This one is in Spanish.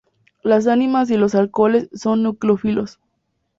Las aminas y los alcoholes son nucleófilos.